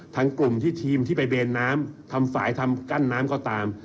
กลุ่มที่ทีมที่ไปเบนน้ำทำฝ่ายทำกั้นน้ำก็ตาม